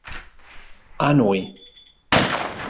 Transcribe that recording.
A Noi!